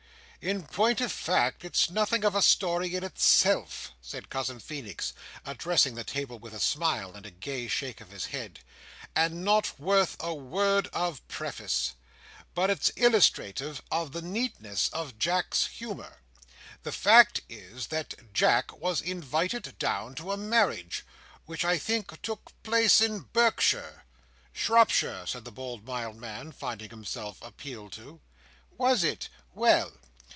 "In point of fact, it's nothing of a story in itself," said Cousin Feenix, addressing the table with a smile, and a gay shake of his head, "and not worth a word of preface. But it's illustrative of the neatness of Jack's humour. The fact is, that Jack was invited down to a marriage—which I think took place in Berkshire?" "Shropshire," said the bold mild man, finding himself appealed to. "Was it? Well!